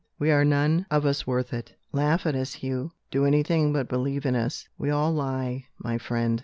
We are none of us worth it. Laugh at us, Hugh do anything but believe in us. We all lie, my friend.